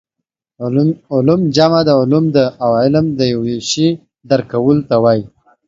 علوم جمع د علم ده او علم د یو شي درک کولو ته وايي